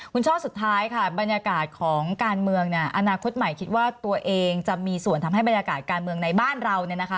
คุณช่อสุดท้ายค่ะบรรยากาศของการเมืองอนาคตใหม่คิดว่าตัวเองจะมีส่วนทำให้บรรยากาศการเมืองในบ้านเรา